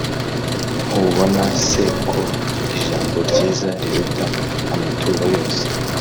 Ntubona se ko ijambo ryiza riruta amaturo yose?